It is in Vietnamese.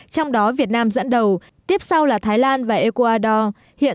trong đó việt nam dẫn đầu tiếp sau là thái lan và ecuador